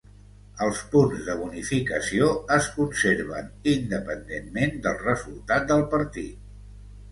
Els punts de bonificació es conserven independentment del resultat del partit.